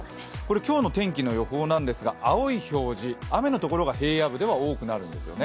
今日の天気の予報なんですが青い表示、雨のところが平野部では多くなるんですよね。